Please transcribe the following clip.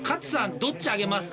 どっちに上げますか？